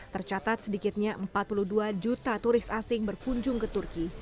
tercatat sedikitnya empat puluh dua juta turis asing berkunjung ke turki